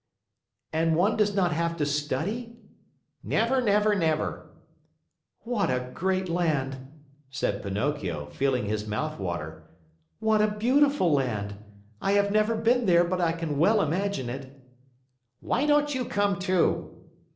"And one does not have to study?" "Never, never, never!" "What a great land!" said Pinocchio, feeling his mouth water. "What a beautiful land! I have never been there, but I can well imagine it." "Why don't you come, too?"